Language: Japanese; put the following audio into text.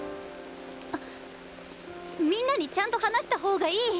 あっみんなにちゃんと話した方がいい。